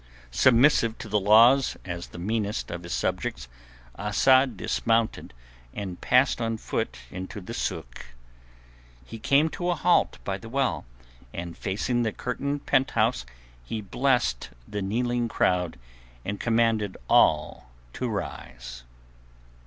Submissive to the laws as the meanest of his subjects, Asad dismounted and passed on foot into the sôk. He came to a halt by the well, and, facing the curtained penthouse, he blessed the kneeling crowd and commanded all to rise.